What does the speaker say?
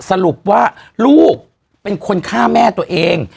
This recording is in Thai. สรุปว่าลูกเป็นคนฆ่าแม่ตัวเอง